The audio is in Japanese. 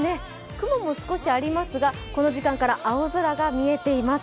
雲も少しありますがこの時間から青空が見えています。